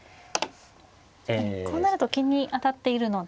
こうなると金に当たっているので。